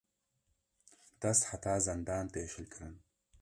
Dest heta zendan tê şilkirin